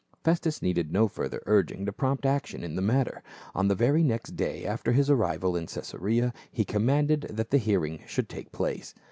Festus needed no further urging to prompt action in the matter ; on the very next day after his arrival in Caesarea, he commanded that the hearing should take place.